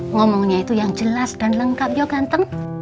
ngomongnya itu yang jelas dan lengkap ya ganteng